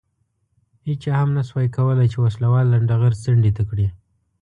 هېچا هم نه شوای کولای چې وسله وال لنډه غر څنډې ته کړي.